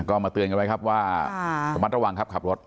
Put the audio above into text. ก็มาเตือนกันไว้ครับว่าระมัดระวังครับขับรถ